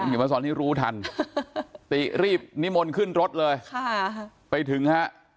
อย่ามาสอนนี้รู้ทันตีรีบนิมนต์ขึ้นรถเลยไปถึงฮะ